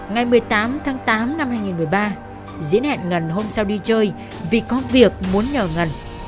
ngày một mươi tám tháng tám năm hai nghìn một mươi ba diễn hẹn ngần hôm sau đi chơi vì có việc muốn nhờ ngân